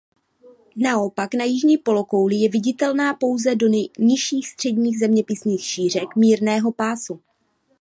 Naopak na jižní polokouli je viditelná pouze do nižších středních zeměpisných šířek mírného pásu.